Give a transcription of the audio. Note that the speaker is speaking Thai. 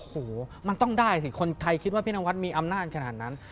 โอ้โหมันต้องได้สิคนไทยคิดว่าพี่นวัดมีอำนาจขนาดนั้น